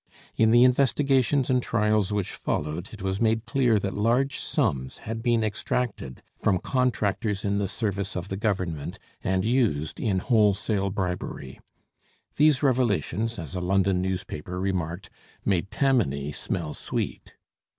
In the investigations and trials which followed it was made clear that huge sums had been extracted from contractors in the service of the Government and used in wholesale bribery. These revelations, as a London newspaper remarked, 'made Tammany smell sweet.'